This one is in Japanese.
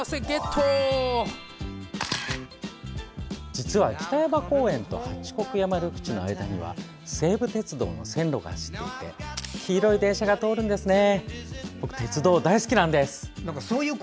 実は、北山公園と八国山緑地の間には西武鉄道の線路が走っていて黄色い電車が通るんですね。